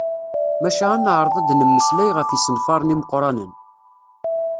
Maca ad neɛreḍ ad d-nemmeslay ɣef yisenfaren imeqqranen.